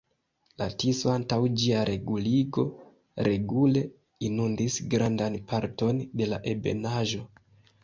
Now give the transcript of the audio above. La Tiso antaŭ ĝia reguligo regule inundis grandan parton de la Ebenaĵo.